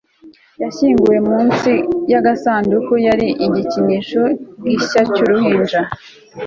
yashyinguwe mu nsi yagasanduku yari igikinisho gishya cyuruhinja